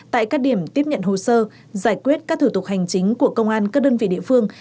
tại các điểm tiếp nhận hồ sơ giải quyết các thủ tục hành chính của công an các đơn vị địa phương